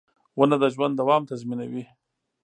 • ونه د ژوند دوام تضمینوي.